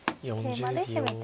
桂馬で攻めていく。